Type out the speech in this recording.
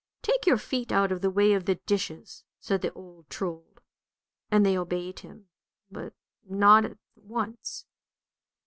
" Take your feet out of the way of the dishes," said the old Trold, and they obeyed him, but not at once.